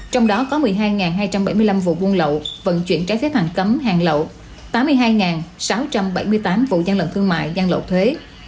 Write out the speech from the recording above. trong đó có một mươi hai hai trăm bảy mươi năm vụ buôn lậu vận chuyển trái phép hàng cấm hàng lậu tám mươi hai sáu trăm bảy mươi tám vụ gian lận thương mại gian lộ thuế